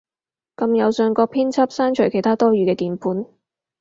撳右上角編輯，刪除其它多餘嘅鍵盤